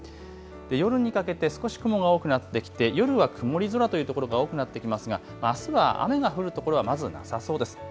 夜にかけて少し雲が多くなってきて夜は曇り空というところ多くなってきますが、あすは雨が降るところはまずなさそうです。